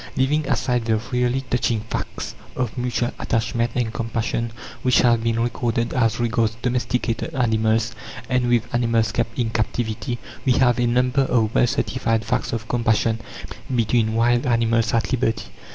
Leaving aside the really touching facts of mutual attachment and compassion which have been recorded as regards domesticated animals and with animals kept in captivity, we have a number of well certified facts of compassion between wild animals at liberty.